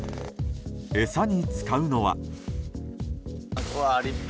餌に使うのは。